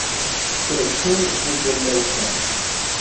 Selección de fútbol de Australia